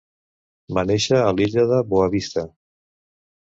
Va néixer a l'illa de Boa Vista.